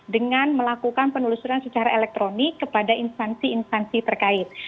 dengan melakukan penelusuran secara elektronik kepada instansi instansi terkait